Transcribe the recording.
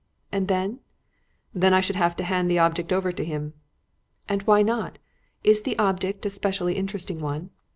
"And then?" "Then I should have had to hand over the object to him." "And why not? Is the object a specially interesting one?"